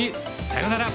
さようなら。